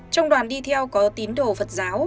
trong đoàn đi theo có tín đồ phật giáo